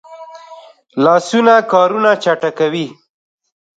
لاسونه کارونه چټکوي